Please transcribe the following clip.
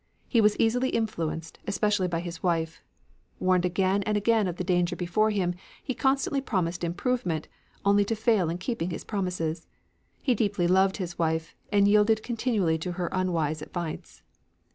He was easily influenced, especially by his wife. Warned again and again of the danger before him, he constantly promised improvement, only to fail in keeping his promises. He deeply loved his wife, and yielded continually to her unwise advice.